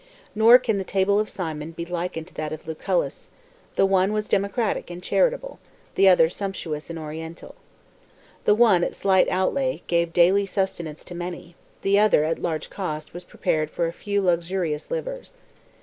Nor can the table. of Cimon» be likened to that of Lucullus; the one was democratic and charitable, the other sumptuous and oriental, The one, at slight outlay, gave daily sus tenance to many; the other, at large cost, was prepared for a few luxurious livers.